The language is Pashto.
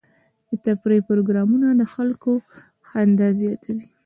د تفریح پروګرامونه د خلکو خندا زیاتوي.